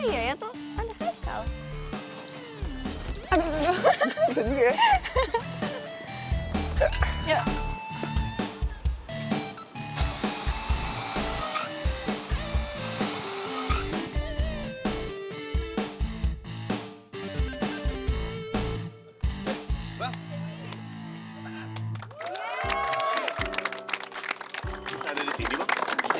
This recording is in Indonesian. susah ada di sini